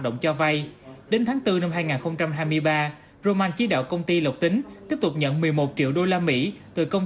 động cho vay đến tháng bốn năm hai nghìn hai mươi ba roman chỉ đạo công ty lộc tính tiếp tục nhận một mươi một triệu usd từ công